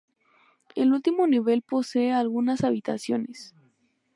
El último nivel posee algunas habitaciones.